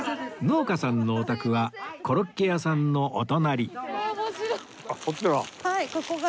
農家さんのお宅はコロッケ屋さんのお隣あっこっちが？